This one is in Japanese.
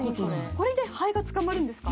これでハエが捕まるんですか？